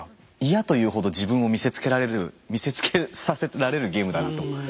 嫌というほど自分を見せつけられる見せつけさせられるゲームだなと思う。